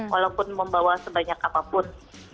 walaupun membawa sebanyak apapun